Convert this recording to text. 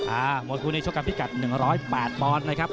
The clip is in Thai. อ่ามวยคู่นี้ชกกับพิกัด๑๐๘บอลนะครับ